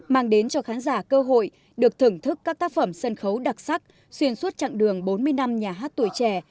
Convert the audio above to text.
mang đến cho khán giả cơ hội được thưởng thức các tác phẩm sân khấu đặc sắc xuyên suốt chặng đường bốn mươi năm nhà hát tuổi trẻ